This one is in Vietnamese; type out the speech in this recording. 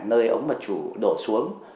nơi ống mật chủ